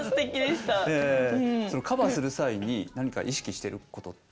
そのカバーする際に何か意識してることって？